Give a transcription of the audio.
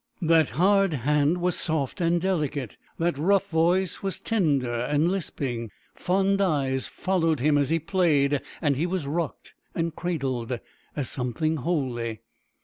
That hard hand was soft and delicate; that rough voice was tender and lisping; fond eyes followed him as he played, and he was rocked and cradled as something holy.